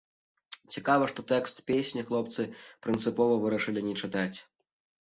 Цікава, што тэкст песні хлопцы прынцыпова вырашылі не чытаць.